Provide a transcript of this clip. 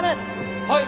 はい。